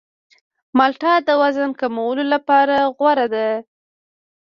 مالټه د وزن کمولو لپاره غوره ده.